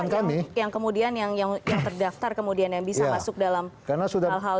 tim kampanye yang kemudian yang terdaftar kemudian yang bisa masuk dalam hal hal yang terkait pelanggaran kampanye